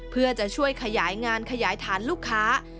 เพื่อจะช่วยขยายงานขยายฐานลูกค้า